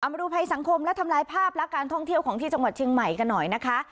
มาดูภัยสังคมและทำลายภาพลักษณ์การท่องเที่ยวของที่จังหวัดเชียงใหม่กันหน่อยนะคะ